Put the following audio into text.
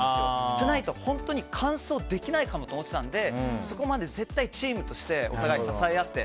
じゃないと完走できないかもって考えてたのでそこまで絶対チームとしてお互い支え合って。